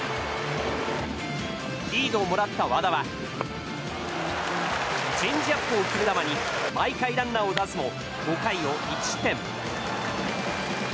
リードをもらった和田はチェンジアップを決め球に毎回ランナーを出すも５回を１失点。